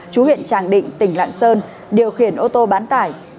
chú huyện tràng định tỉnh lạng sơn điều khiển ô tô bán tải